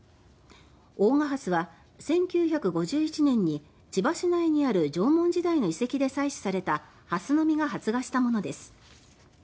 オオガハスは１９５１年に千葉市内にある縄文時代の遺跡で採取されたハスの実が発芽したものです。